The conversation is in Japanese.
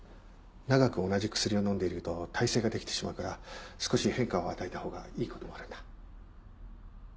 長く同じ薬を飲んでいると耐性ができてしまうから少し変化を与えたほうがいいこともあるんだ。